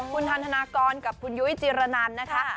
คุณทันธนากรกับคุณยุ้ยจิรนันนะคะ